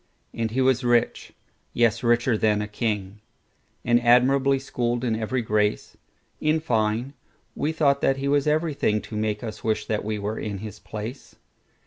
And he was rich,—yes, richer than a king,—And admirably schooled in every grace:In fine, we thought that he was everythingTo make us wish that we were in his place.